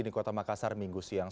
di kota makassar minggu siang